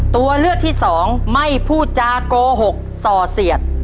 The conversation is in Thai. ตัวเลือกที่สองไม่พูดจากโกหกส่อเสียด